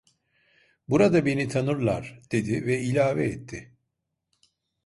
"Burada beni tanırlar" dedi ve ilave etti: